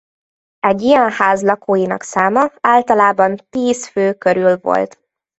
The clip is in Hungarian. Egy ilyen ház lakóinak száma általában tíz fő körül volt.